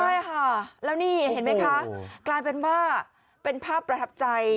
ใช่ค่ะแล้วนี่เห็นไหมคะกลายเป็นว่าเป็นภาพประทับใจ